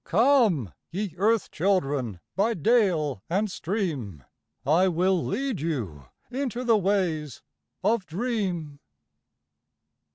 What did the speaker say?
Come, ye earth children, by dale and stream, I will lead you into the ways of dream.